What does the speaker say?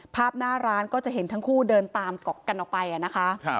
ภาพหน้าร้านก็จะเห็นทั้งคู่เดินตามเกาะกันออกไปนะคะ